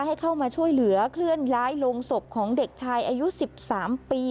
ให้เข้ามาช่วยเหลือเคลื่อนย้ายลงศพของเด็กชายอายุ๑๓ปี